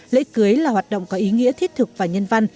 lễ cưới là hoạt động có ý nghĩa thiết thực và nhân văn